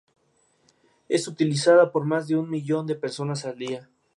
Es utilizada por más de un millón de personas al día.